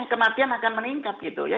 kematian akan meningkat gitu ya